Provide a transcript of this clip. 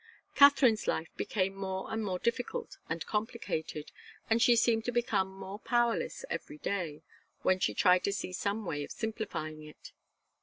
Katharine's life became more and more difficult and complicated, and she seemed to become more powerless every day, when she tried to see some way of simplifying it.